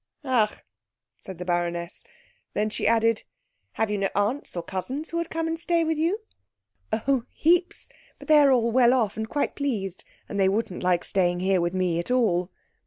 "Ach," said the baroness. Then she added, "Have you no aunts, or cousins, who would come and stay with you?" "Oh, heaps. But they are all well off and quite pleased, and they wouldn't like staying here with me at all."